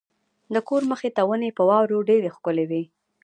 د کور مخې ته ونې په واورو ډېرې ښکلې وې.